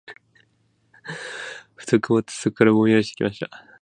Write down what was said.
ふと曇って、そこらが薄ぼんやりしてきました。